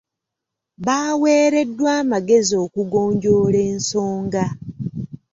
Baaweereddwa amagezi okugonjoola ensonga.